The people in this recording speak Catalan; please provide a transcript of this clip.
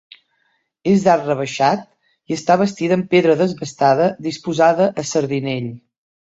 És d'arc rebaixat i està bastida en pedra desbastada disposada a sardinell.